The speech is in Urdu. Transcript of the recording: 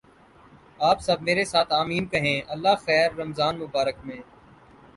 آپ سب میرے ساتھ "آمین" کہیں اللہ خیر! رمضان المبارک میں